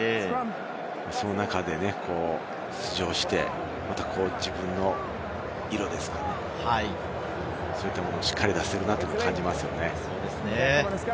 その中で出場して、自分の色ですかね、そういったものをしっかり出せていると感じますね。